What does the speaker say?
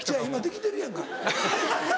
今できてるやんか。